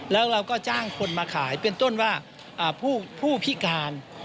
แล้วเราก็จ้างคนมาขายเป็นต้นว่าผู้พิการ